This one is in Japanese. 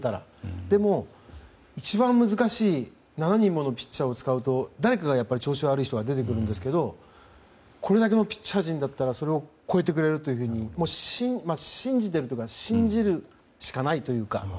でも、一番難しい７人ものピッチャーを使うと誰か調子悪い人が出てきますがこれだけのピッチャー陣ならそれを超えてくれると信じているというか信じるしかないというか。